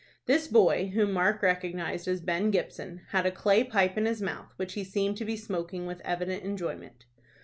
This boy, whom Mark recognized as Ben Gibson, had a clay pipe in his mouth, which he seemed to be smoking with evident enjoyment.